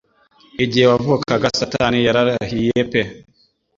Igihe wavukaga, satani yararahiye pe